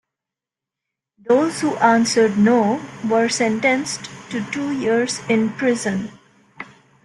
Those who answered "no" were sentenced to two years in prison.